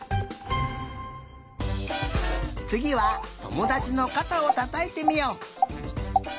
つぎはともだちのかたをたたいてみよう。